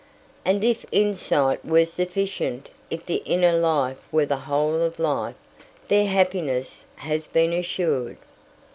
And if insight were sufficient, if the inner life were the whole of life, their happiness has been assured.